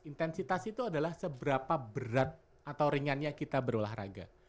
intensitas itu adalah seberapa berat atau ringannya kita berolahraga